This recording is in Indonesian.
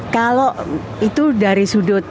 kalau itu dari sudut